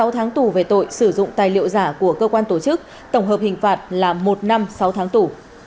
sáu tháng tù về tội sử dụng tài liệu giả của cơ quan tổ chức tổng hợp hình phạt là một năm sáu tháng tù